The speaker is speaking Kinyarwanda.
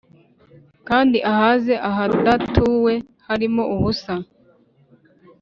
kandi ahāze ahadatuwe harimo ubusa,